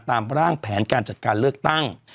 ตามร่างแผนการจัดการเลือกตั้ง